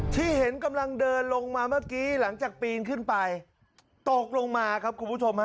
ที่เห็นกำลังเดินลงมาเมื่อกี้หลังจากปีนขึ้นไปตกลงมาครับคุณผู้ชมฮะ